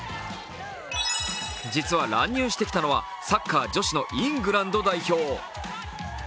実は乱入してきたのはサッカー女子のイングランド代表。